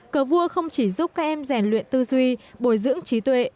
cờ vua không chỉ giúp các em rèn luyện tư duy bồi dưỡng trí tuệ